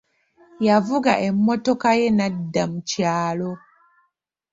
Yavuga emmotoka ye n'adda mu kyalo.